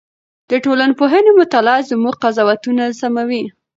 د ټولنپوهنې مطالعه زموږ قضاوتونه سموي.